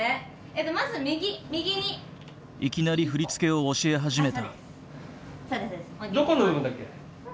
いきなり振り付けを教え始めた。